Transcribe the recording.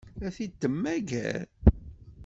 Ad t-id-temmager?